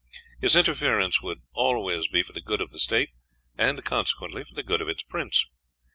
His interference would always be for the good of the state, and, consequently, for the good of its prince.